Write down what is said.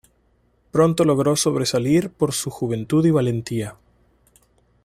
Pronto logró sobresalir por su juventud y valentía.